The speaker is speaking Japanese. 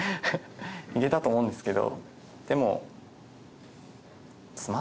いけたと思うんですけど。